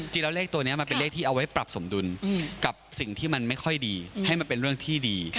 ตัวเลขตัวนี้มันเป็นเลขที่เอาไว้ปรับสมดุลกับสิ่งที่มันไม่ค่อยดีให้มันเป็นเรื่องที่ดี